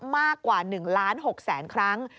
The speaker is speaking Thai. มากกว่า๑ล้าน๖แสนครั้ง